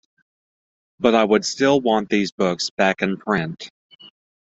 But I would still want these books back in print.